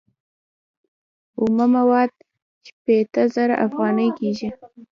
اومه مواد شپیته زره افغانۍ کېږي